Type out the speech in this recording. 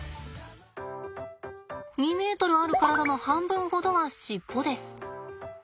２ｍある体の半分ほどは尻尾です。